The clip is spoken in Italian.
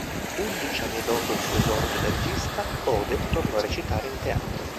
Undici anni dopo il suo esordio da regista, Ode tornò a recitare in teatro.